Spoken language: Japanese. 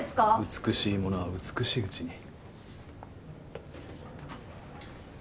美しいものは美しいうちに。